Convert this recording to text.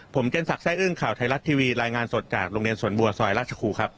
ผมเจนสักแร่อึ้งข่าวไทยรัฐทีวีรายงานสดจากโรงเรียนสวนบัวซอยราชครูครับ